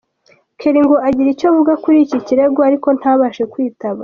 Kelly ngo agire icyo avuga kuri iki kirego ariko ntabashe kwitaba.